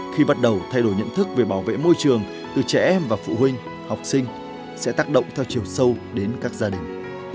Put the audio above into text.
khi bắt đầu thay đổi nhận thức về bảo vệ môi trường từ trẻ em và phụ huynh học sinh sẽ tác động theo chiều sâu đến các gia đình